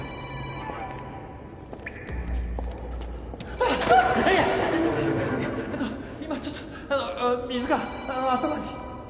あの今ちょっと水が頭に。